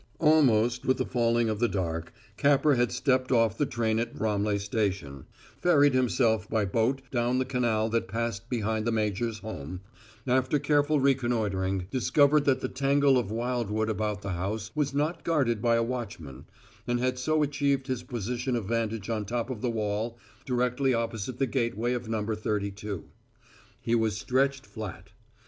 Almost with the falling of the dark, Capper had stepped off the train at Ramleh station, ferried himself by boat down the canal that passed behind the major's home, after careful reconnoitering, discovered that the tangle of wildwood about the house was not guarded by a watchman, and had so achieved his position of vantage on top of the wall directly opposite the gateway of No. 32. He was stretched flat.